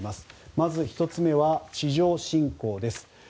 まず１つ目は地上侵攻です。